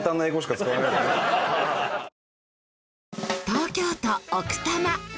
東京都奥多摩。